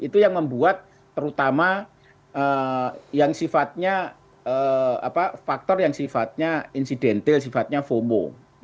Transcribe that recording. itu yang membuat terutama yang sifatnya faktor yang sifatnya insidentil sifatnya fomo